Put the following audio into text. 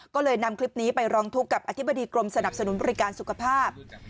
ก็เลยนำคลิปนี้ไปร้องทุกข์กับอธิบดีกรมสนับสนุนบริการสุขภาพ